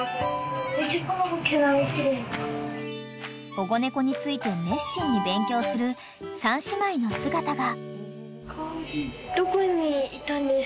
［保護猫について熱心に勉強する三姉妹の姿が］